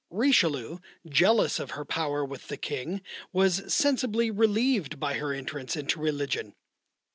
Richelieu, jealous of her power with the King, was sensibly relieved by her entrance into religion.